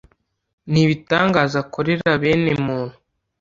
n’ibitangaza akorera bene muntu